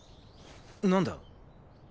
何だ？